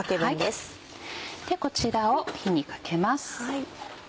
こちらを火にかけます。